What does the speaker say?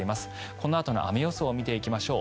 このあとの雨予想を見ていきましょう。